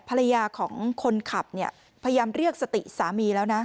ภรรยาของคนขับเนี่ยพยายามเรียกสติสามีแล้วนะ